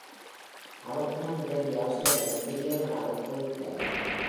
அவக்குணம் நிரம்பிய அசுரர்கள் பெரியவர்களாகப் போய்விட்டார்கள்.